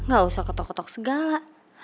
gak usah ketok ketok segala